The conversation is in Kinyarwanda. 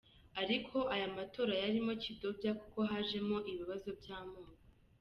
Ariko aya matora yarimo kidobya kuko hajemo ibibazo byamoko.